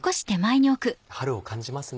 春を感じますね